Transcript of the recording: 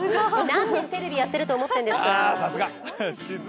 何年テレビやってると思ってんですか。